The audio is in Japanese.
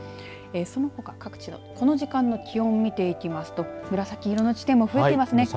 そのほか各地のこの時間の気温を見ていきますと紫色の地点も増えてますね。